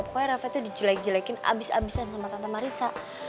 pokoknya rafael itu dijelek jelekin abis abisan sama tante marisa